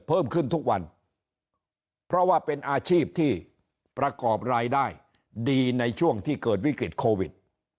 เพิ่มขึ้นทุกวันเพราะว่าเป็นอาชีพที่ประกอบรายได้ดีในช่วงที่เกิดวิกฤตโควิด